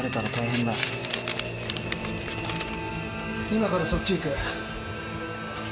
今からそっち行く。